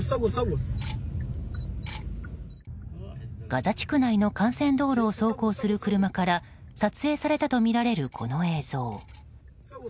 ガザ地区内の幹線道路を走行する車から撮影されたとみられるこの映像。